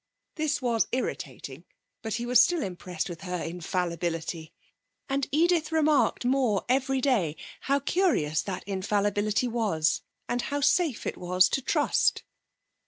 This was irritating, but he was still impressed with her infallibility, and Edith remarked more every day how curious that infallibility was, and how safe it was to trust.